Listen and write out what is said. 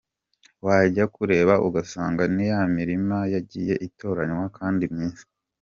wajya kureba ugasanga ni ya mirima yagiye itoranywa kandi myiza.